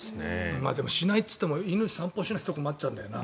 でも、しないっていっても犬、散歩しないと困っちゃうんだよな。